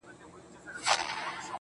• نسه نه وو نېمچه وو ستا د درد په درد.